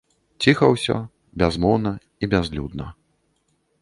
Ціха ўсё, бязмоўна і бязлюдна.